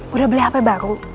udah beli hp baru